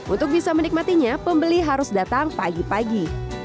untuk bisa menikmatinya pembeli harus datang pagi pagi